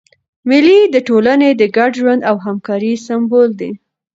مېلې د ټولني د ګډ ژوند او همکارۍ سېمبول دي.